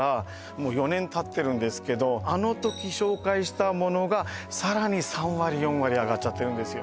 もう４年たってるんですけどあの時紹介したものがさらに３割４割上がっちゃってるんですよ